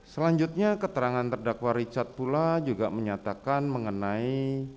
selanjutnya keterangan terdakwa richard pula juga menyatakan mengenai